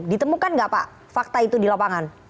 ditemukan nggak pak fakta itu di lapangan